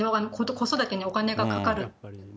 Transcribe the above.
子育てにお金がかかる。